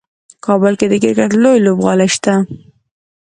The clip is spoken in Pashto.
کابل کې د کرکټ لوی لوبغالی شته.